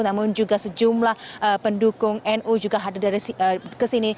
namun juga sejumlah pendukung nu juga hadir ke sini